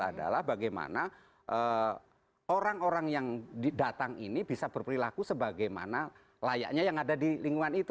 adalah bagaimana orang orang yang datang ini bisa berperilaku sebagaimana layaknya yang ada di lingkungan itu